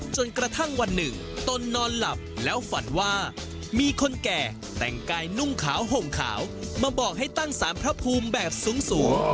จนกระทั่งวันหนึ่งตนนอนหลับแล้วฝันว่ามีคนแก่แต่งกายนุ่งขาวห่มขาวมาบอกให้ตั้งสารพระภูมิแบบสูง